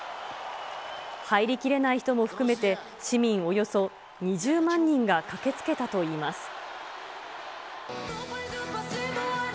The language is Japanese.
入りきれない人も含めて、市民およそ２０万人が駆けつけたといいます。